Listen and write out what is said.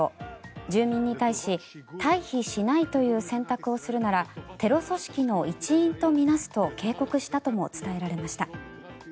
住民に対し退避しないという選択をするならテロ組織の一員と見なすと警告したとも伝えられました。